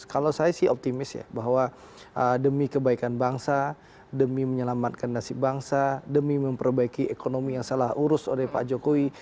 kalau saya sih optimis ya bahwa demi kebaikan bangsa demi menyelamatkan nasib bangsa demi memperbaiki ekonomi yang salah urus oleh pak jokowi